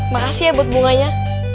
makasih ya buat bunganya